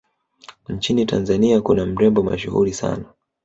nchini tanzania kuna mrembo mashuhuli sana